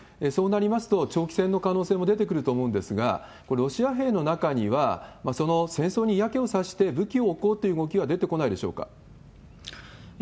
そうなりますと、長期戦の可能性も出てくると思うんですが、これ、ロシア兵の中にはその戦争に嫌気を差して、武器を置こうっていう動きは出てこないでしょうか。